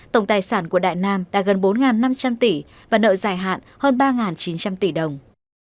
tổng tài sản của đại nam đạt gần bốn năm trăm linh tỷ và nợ dài hạn hơn ba chín trăm linh tỷ đồng